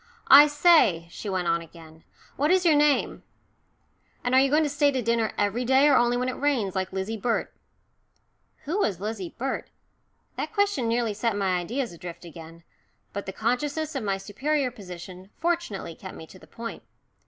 "I say," she went on again, "what is your name? And are you going to stay to dinner every day, or only when it rains, like Lizzie Burt?" Who was Lizzie Burt? That question nearly set my ideas adrift again. But the consciousness of my superior position fortunately kept me to the point.